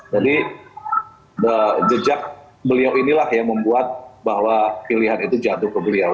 jadi jejak beliau inilah yang membuat bahwa pilihan itu jatuh ke beliau